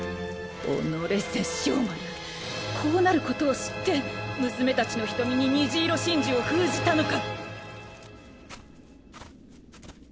おのれ殺生丸こうなることを知って娘達の瞳に虹色真珠を封じたのか。